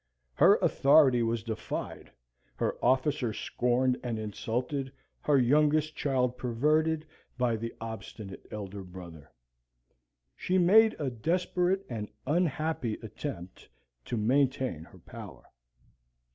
Her authority was defied, her officer scorned and insulted, her youngest child perverted, by the obstinate elder brother. She made a desperate and unhappy attempt to maintain her power.